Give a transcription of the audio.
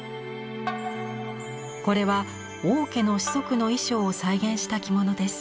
これは王家の子息の衣装を再現した着物です。